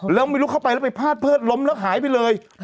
แล้วไม่รู้เข้าไปแล้วไปพาดเพิดล้มแล้วหายไปเลย